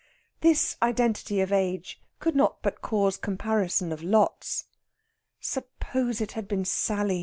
This identity of age could not but cause comparison of lots. "Suppose it had been Sally!"